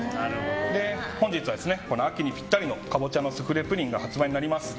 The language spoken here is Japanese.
本日は秋にぴったりのかぼちゃのスフレ・プリンが発売になります。